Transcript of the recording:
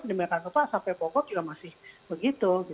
demikian sampai bogor juga masih begitu